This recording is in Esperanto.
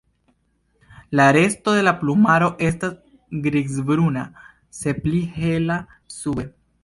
La resto de la plumaro estas grizbruna, se pli hela sube.